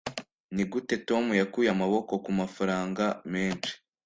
nigute tom yakuye amaboko kumafaranga menshi